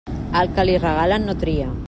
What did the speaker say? Al que li regalen, no tria.